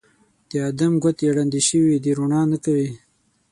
د ادم ګوتې ړندې شوي دي روڼا نه کوي